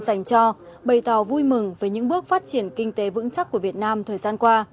dành cho bày tỏ vui mừng với những bước phát triển kinh tế vững chắc của việt nam thời gian qua